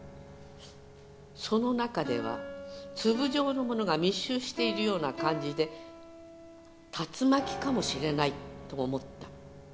「その中では粒状のものが密集しているような感じで竜巻かもしれないと思った」